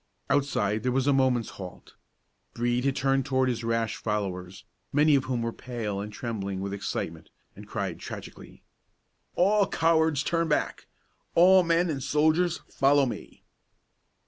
Outside there was a moment's halt. Brede had turned toward his rash followers, many of whom were pale and trembling with excitement, and cried tragically: "All cowards turn back! All men and soldiers follow me!"